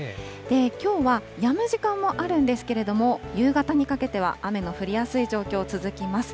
きょうはやむ時間もあるんですけれども、夕方にかけては雨の降りやすい状況続きます。